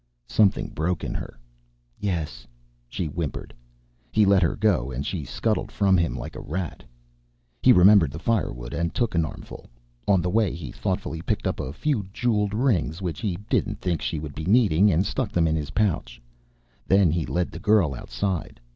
Something broke in her. "Yes," she whimpered. He let her go, and she scuttled from him like a rat. He remembered the firewood and took an armful; on the way, he thoughtfully picked up a few jeweled rings which he didn't think she would be needing and stuck them in his pouch. Then he led the girl outside.